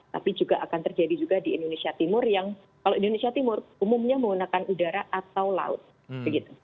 tapi juga akan terjadi juga di indonesia timur yang kalau indonesia timur umumnya menggunakan udara atau laut begitu